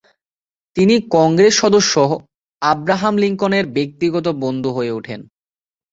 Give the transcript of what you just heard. তিনি কংগ্রেস সদস্য আব্রাহাম লিঙ্কনের ব্যক্তিগত বন্ধু হয়ে ওঠেন।